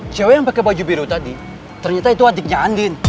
cewek yang pakai baju biru tadi ternyata itu adiknya andin